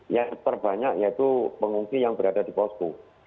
yang terbanyak yaitu pengungsi yang berada di posko